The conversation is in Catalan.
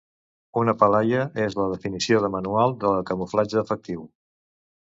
Una palaia és la definició de manual de camuflatge efectiu.